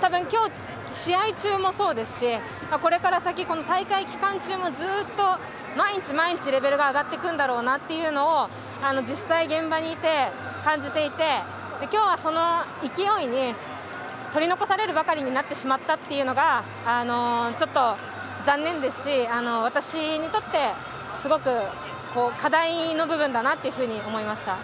多分、今日の試合中もそうですしこれから先、大会期間中もずっと毎日レベルが上がっていくんだろうなというのを実際、現場にいて感じていて今日はその勢いに取り残されるばかりそうなってしまったというのがちょっと残念ですし、私にとってすごく課題の部分だなと思いました。